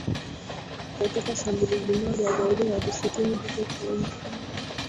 Katika shambulizi moja, zaidi ya watu sitini huko Plaine Savo kwenye eneo la Djubu waliuawa hapo